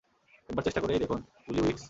একবার চেষ্টা করেই দেখুন ওলি উইকস!